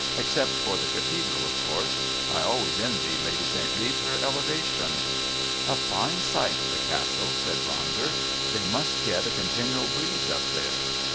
"Except for the Cathedral, of course. I always envy Lady St. Leath her elevation." "A fine site, the Castle," said Ronder. "They must get a continual breeze up there."